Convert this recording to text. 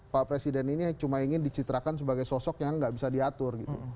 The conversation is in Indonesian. pak presiden ini cuma ingin dicitrakan sebagai sosok yang nggak bisa diatur gitu